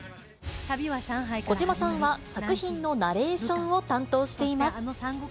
小島さんは作品のナレーションを担当しています。